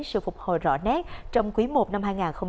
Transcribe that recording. sự phục hồi rõ nét trong quý i năm hai nghìn hai mươi bốn